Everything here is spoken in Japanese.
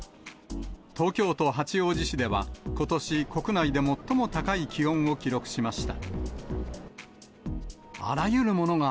東京都八王子市では、ことし国内で最も高い気温を記録しました。